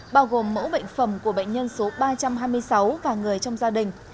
bao gồm mẫu bệnh phẩm của bệnh nhân số ba trăm hai mươi sáu và người trong gia đình